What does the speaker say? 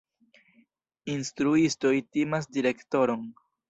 Instruistoj timas direktoron.